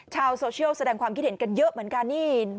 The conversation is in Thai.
ชาวโซเชียลแสดงความคิดเห็นเหมือนกัน